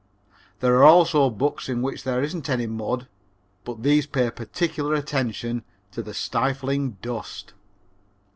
There are also books in which there isn't any mud, but these pay particular attention to the stifling dust.